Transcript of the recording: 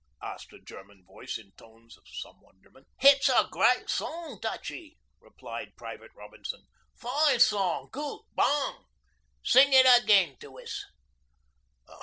asked a German voice in tones of some wonderment. 'It's a great song, Dutchie,' replied Private Robinson. 'Fine song goot bong! Sing it again to us.'